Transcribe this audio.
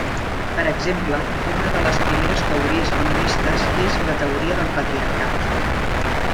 Per exemple, una de les primeres teories feministes és la teoria del patriarcat.